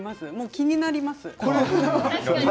気になります。